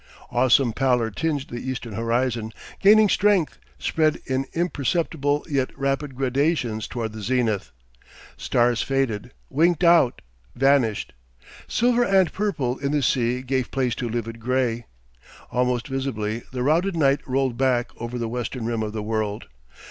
Awesome pallor tinged the eastern horizon, gaining strength, spread in imperceptible yet rapid gradations toward the zenith. Stars faded, winked out, vanished. Silver and purple in the sea gave place to livid gray. Almost visibly the routed night rolled back over the western rim of the world.